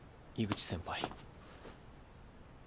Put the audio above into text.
井口先輩。